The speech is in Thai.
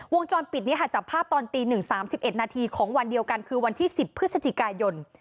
วงจรปิดนี้ค่ะจับภาพตอนตี๑๓๑นาทีของวันเดียวกันคือวันที่๑๐พฤศจิกายน